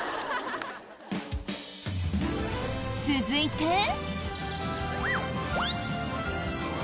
続いて。